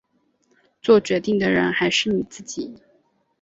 作决定的人还是你自己